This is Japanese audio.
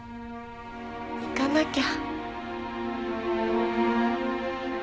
行かなきゃ。